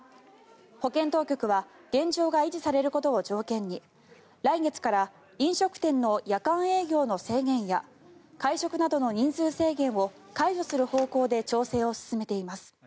保健当局は現状が維持されることを条件に来月から飲食店の夜間営業の制限や会食などの人数制限を解除する方向で調整を進めています。